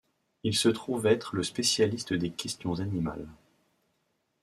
Il se trouve être le spécialiste des questions animales.